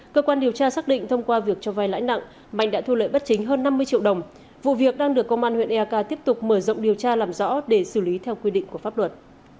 cơ quan điều tra xác định thông qua việc cho vai lãi nặng mạnh đã thu lợi bất chính hơn năm mươi triệu đồng vụ việc đang được công an huyện eak tiếp tục mở rộng điều tra làm rõ để xử lý theo quy định của pháp luật